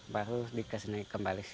baru dikesiniin kembali